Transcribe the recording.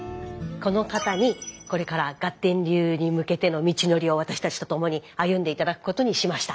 この方にこれからガッテン流に向けての道のりを私たちと共に歩んで頂くことにしました。